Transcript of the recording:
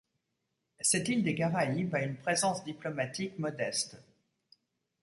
Cette île des Caraïbes a une présence diplomatique modeste.